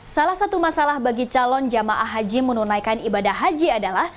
salah satu masalah bagi calon jemaah haji menunaikan ibadah haji adalah